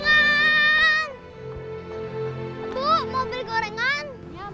bu mau beli gorengan